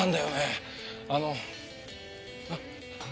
あのあっ！